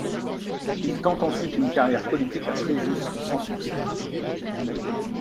Il tente ensuite une carrière politique à Fréjus sans succès.